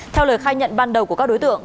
theo lời khai nhận ban đầu của các đối tượng